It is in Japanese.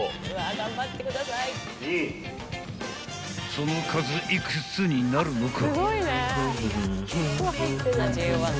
［その数幾つになるのか］